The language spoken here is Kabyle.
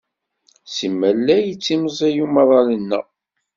Simal la yettimẓiy umaḍal-nneɣ.